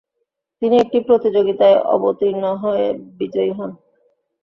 তিনি একটি প্রতিযোগিতায় অবতীর্ণ হয়ে বিজয়ী হন।